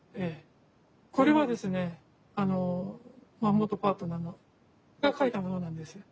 これはですね元パートナーが書いたものなんですよ。